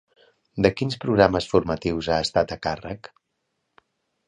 De quins programes formatius ha estat a càrrec?